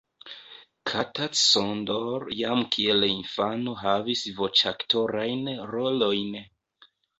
Kata Csondor jam kiel infano havis voĉaktorajn rolojn.